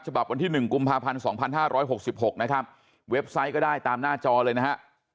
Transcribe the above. ฉบับวันที่๑กุมภาพันธ์๒๕๖๖นะครับเว็บไซต์ก็ได้ตามหน้าจอเลยนะฮะ